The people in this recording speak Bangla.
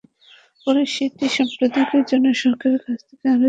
পরে সেটি সম্প্রসারণের জন্য সরকারের কাছ থেকে আরও জমি ইজারা নেওয়া হয়।